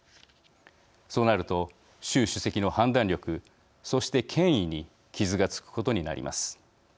そうなると習主席の判断力そして権威に傷がつくことになります。